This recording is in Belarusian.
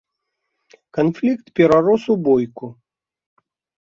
Канфлікт перарос у бойку.